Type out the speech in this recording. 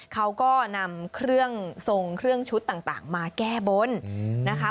เขาก็นำเครื่องทรงเครื่องชุดต่างมาแก้บนนะคะ